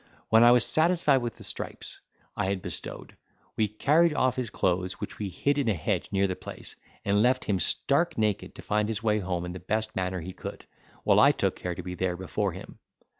When I was satisfied with the stripes I had bestowed, we carried off his clothes, which we hid in a hedge near the place, and left him stark naked to find his way home in the best manner he could, while I took care to be there before him.